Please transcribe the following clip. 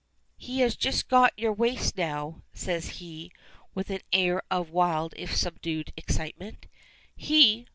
"He has just got to your waist now," says he, with an air of wild if subdued excitement. "He!